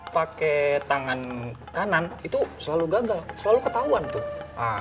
pakai tangan kanan itu selalu gagal selalu ketahuan tuh